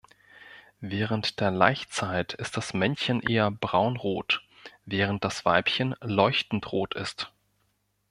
Während der Laichzeit ist das Männchen eher braunrot, während das Weibchen leuchtend rot ist.